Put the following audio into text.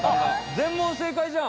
全問正解じゃん！